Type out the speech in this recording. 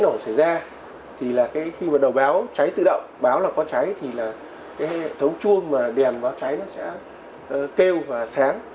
nếu có cháy nổ xảy ra thì khi đầu báo cháy tự động báo là có cháy thì hệ thống chuông mà đèn báo cháy sẽ kêu và sáng